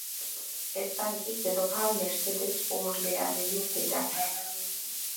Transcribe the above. ესპანეთის დედოფალ მერსედეს ორლეანელის დედა.